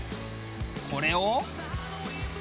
これを。